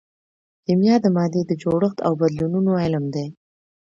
کیمیا د مادې د جوړښت او بدلونونو علم دی.